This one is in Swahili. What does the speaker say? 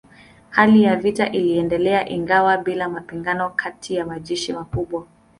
Hali ya vita ikaendelea ingawa bila mapigano kati ya majeshi makubwa.